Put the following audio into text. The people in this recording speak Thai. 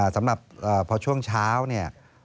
สำหรับพอช่วงเช้าเนี่ย